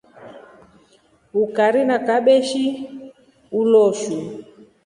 Ukari na kabeshi ulosu.